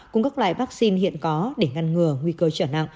cùng các loại vaccine hiện có để ngăn ngừa nguy cơ trở nặng